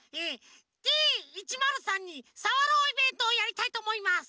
「Ｄ１０３にさわろうイベント」をやりたいとおもいます。